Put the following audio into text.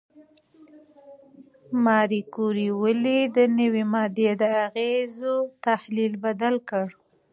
ماري کوري ولې د نوې ماده د اغېزو تحلیل پیل کړ؟